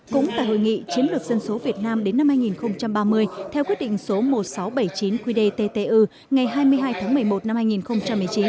cũng tại hội nghị chiến lược dân số việt nam đến năm hai nghìn ba mươi theo quyết định số một nghìn sáu trăm bảy mươi chín qdttu ngày hai mươi hai tháng một mươi một năm hai nghìn một mươi chín